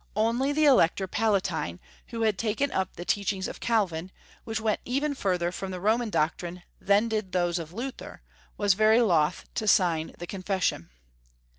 Only the Elector Palatine, who had taken up the teachings of Calvin, wliich went even further from the Roman doctrine than did those of Luther, was very loth to sign the Confession.